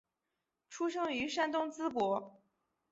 出生于山东淄博。